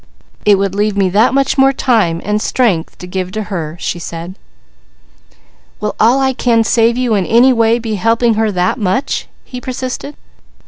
"It would leave me that much more time and strength to give to her," she said. "Will all I can save you in any way be helping her that much?" he persisted.